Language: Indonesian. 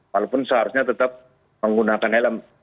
walaupun seharusnya tetap menggunakan helm